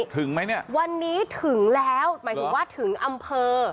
ถึงไหมเนี่ยวันนี้ถึงแล้วหมายถึงว่าถึงอำเภอ